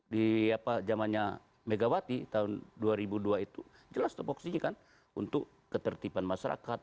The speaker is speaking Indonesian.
di zamannya megawati tahun dua ribu dua itu jelas topoksinya kan untuk ketertiban masyarakat